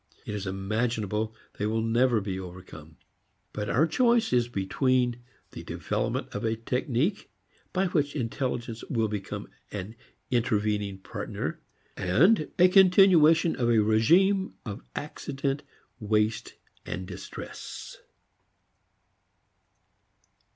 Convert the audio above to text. It is imaginable they will never be overcome. But our choice is between the development of a technique by which intelligence will become an intervening partner and a continuation of a regime of accident, waste and distress.